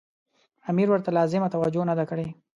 امیر ورته لازمه توجه نه ده کړې.